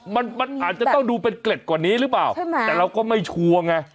มันมันอาจจะต้องดูเป็นเกล็ดกว่านี้หรือเปล่าใช่ไหมแต่เราก็ไม่ชัวร์ไง